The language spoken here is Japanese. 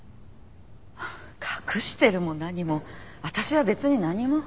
隠してるも何も私は別に何も。